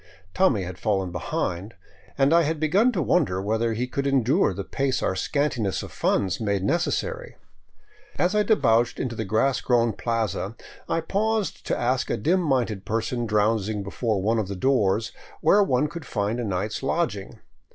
Tommy had fallen behind, and I had begun to wonder whether he could endure the pace our scantiness of funds made necessary. As I debouched into the grass grown plaza, I paused to ask a dim minded person drowsing before one of the doors where one could find a night's lodging.